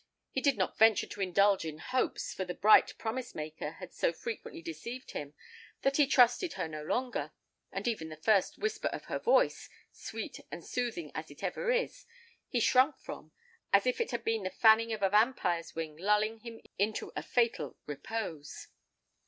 He did not venture to indulge in hopes, for the bright promise maker had so frequently deceived him that he trusted her no longer; and even the first whisper of her voice, sweet and soothing as it ever is, he shrunk from, as if it had been the fanning of a vampire's wing lulling him into a fatal repose.